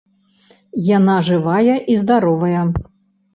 Яна жывая і здаровая.